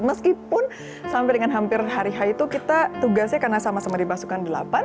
meskipun sampai dengan hampir hari h itu kita tugasnya karena sama sama di pasukan delapan